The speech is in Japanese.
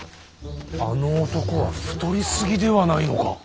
あの男は太り過ぎではないのか。